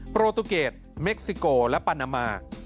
โปรตูเกตเม็กซิโกและปานามา